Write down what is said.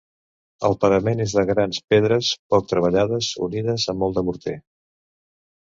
El parament és de grans pedres poc treballades, unides amb molt de morter.